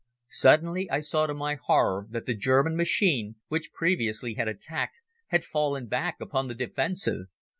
Suddenly, I saw to my horror that the German machine, which previously had attacked, had fallen back upon the defensive.